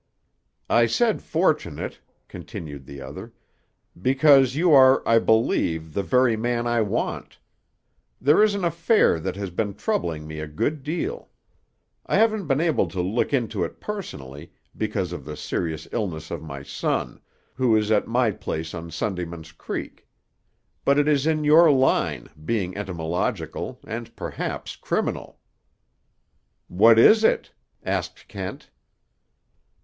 "I said fortunate," continued the other, "because you are, I believe, the very man I want. There is an affair that has been troubling me a good deal. I haven't been able to look into it personally, because of the serious illness of my son, who is at my place on Sundayman's Creek. But it is in your line, being entomological, and perhaps criminal." "What is it?" asked Kent.